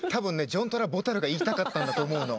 ジョン・トラボタルが言いたかったんだと思うの。